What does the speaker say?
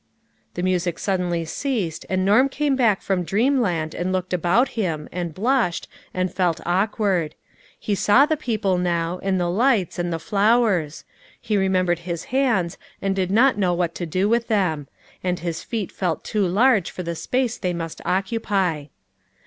The music suddenly ceased, and Norm came back from dreamland and looked about him, and blushed, and felt awkward. He saw the people now, and the lights, and the flowers ; he remembered his hands and did not know what to do with them ; and his feet felt too large for the space they must occupy.